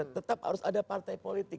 tetap harus ada partai politik